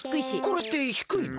これってひくいの？